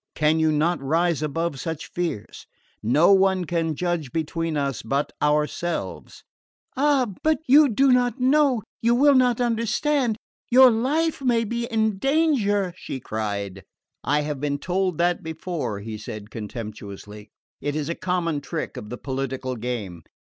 Can you not rise above such fears? No one can judge between us but ourselves." "Ah, but you do not know you will not understand. Your life may be in danger!" she cried. "I have been told that before," he said contemptuously. "It is a common trick of the political game."